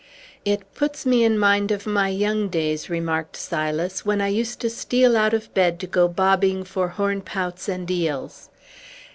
"It puts me in mind of my young days," remarked Silas, "when I used to steal out of bed to go bobbing for hornpouts and eels.